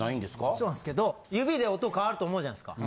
そうなんですけど指で音変わると思うじゃないですか。